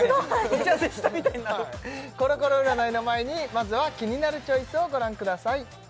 打ち合わせしたみたいなコロコロ占いの前にまずは「キニナルチョイス」をご覧ください